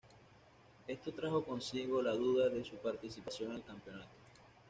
Esto trajo consigo la duda de su participación en el campeonato.